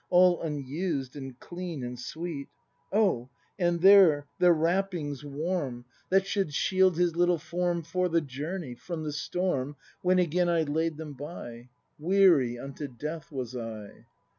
All unused and clean and sweet. Oh, and there the wrappings warm 200 BRAND [act iv That should shield his little form For the journey, from the storm When again I laid them by. Weary unto death was I!